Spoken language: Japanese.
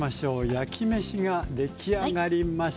焼きめしが出来上がりました。